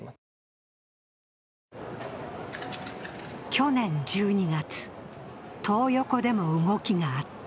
去年１２月、トー横でも動きがあった。